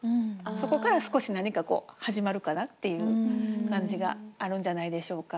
そこから少し何かこう始まるかなっていう感じがあるんじゃないでしょうか。